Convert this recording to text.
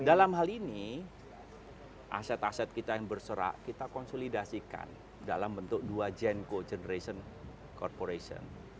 dalam hal ini aset aset kita yang berserak kita konsolidasikan dalam bentuk dua gen co generation corporation